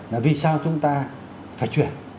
là vì sao chúng ta phải chuyển